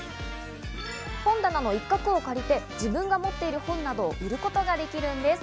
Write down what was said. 本棚の一画を借りて、自分が持っている本などを売ることができるんです。